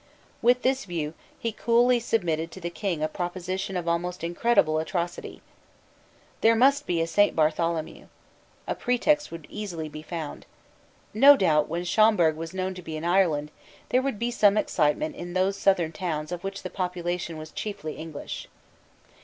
With this view, he coolly submitted to the King a proposition of almost incredible atrocity. There must be a Saint Bartholomew. A pretext would easily be found. No doubt, when Schomberg was known to be in Ireland, there would be some excitement in those southern towns of which the population was chiefly English.